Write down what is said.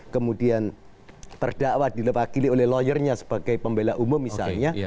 kemudian perdakwa diwakili oleh lawyernya sebagai pembela umum misalnya